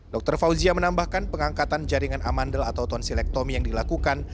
dokter fauzia menambahkan pengangkatan jaringan amandel atau tonsilektomi yang dilakukan